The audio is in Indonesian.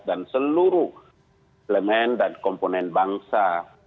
dan seluruh elemen dan komponen bangsa